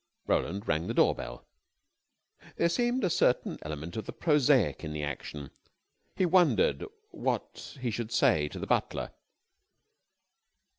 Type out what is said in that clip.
Roland rang the door bell. There seemed a certain element of the prosaic in the action. He wondered what he should say to the butler.